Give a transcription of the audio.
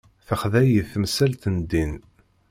Texḍa-yi temsalt n ddin.